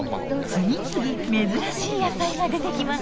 次々珍しい野菜が出てきます。